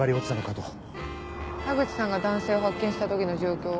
田口さんが男性を発見した時の状況は？